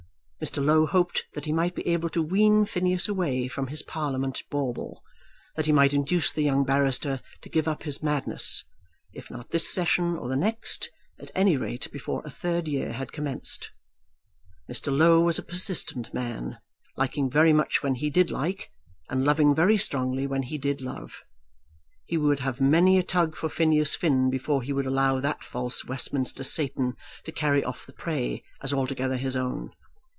Mr. Low hoped that he might be able to wean Phineas away from his Parliament bauble; that he might induce the young barrister to give up his madness, if not this session or the next, at any rate before a third year had commenced. Mr. Low was a persistent man, liking very much when he did like, and loving very strongly when he did love. He would have many a tug for Phineas Finn before he would allow that false Westminster Satan to carry off the prey as altogether his own.